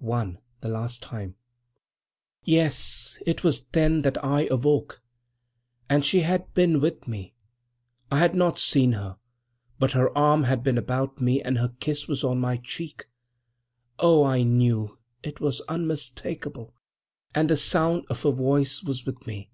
"One, the last time." "Yes; it was then that I awoke. And she had been with me. I had not seen her, but her arm had been about me and her kiss was on my cheek. Oh. I knew; it was unmistakable. And the sound of her voice was with me."